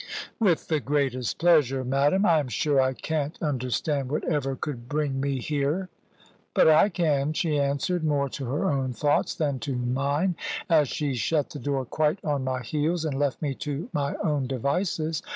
"With the greatest pleasure, madam. I am sure I can't understand whatever could bring me here." "But I can;" she answered, more to her own thoughts than to mine, as she shut the door quite on my heels, and left me to my own devices.